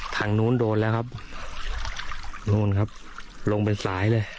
ทางนู้นโดนแล้วครับนู่นครับลงเป็นสายเลย